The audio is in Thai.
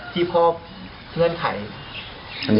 ที่พ่อเคลื่อนไข